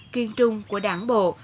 kiên trung của đảng bộ